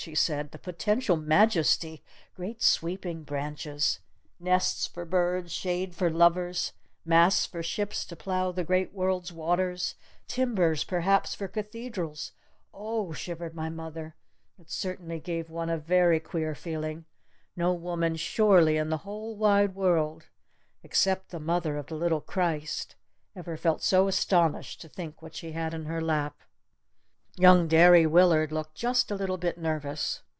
she said. "The potential majesty! Great sweeping branches ! Nests for birds, shade for lovers, masts for ships to plow the great world's waters timbers perhaps for cathedrals! O h," shivered my mother. "It certainly gave one a very queer feeling! No woman surely in the whole wide world except the Mother of the Little Christ ever felt so astonished to think what she had in her lap!" Young Derry Willard looked just a little bit nervous.